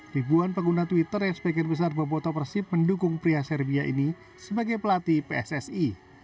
ribuan pengguna twitter yang sebagian besar boboto persib mendukung pria serbia ini sebagai pelatih pssi